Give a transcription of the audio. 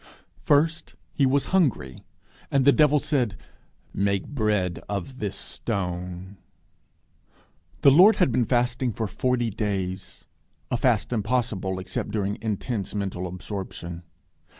First, He was hungry, and the devil said, Make bread of this stone. The Lord had been fasting for forty days a fast impossible except during intense mental absorption.